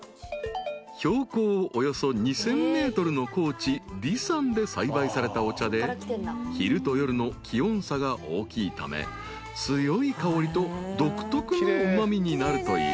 ［標高およそ２，０００ｍの高地梨山で栽培されたお茶で昼と夜の気温差が大きいため強い香りと独特のうま味になるという］